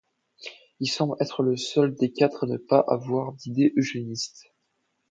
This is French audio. Il semble être le seul des quatre à ne pas avoir d’idées eugénistes.